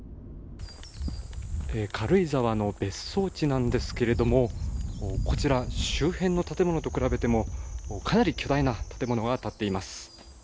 軽井沢の別荘地なんですけれども、こちら周辺の建物と比べてもかなり巨大な建物が建っています。